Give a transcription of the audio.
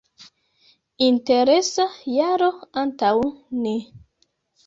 Interesa jaro antaŭ ni.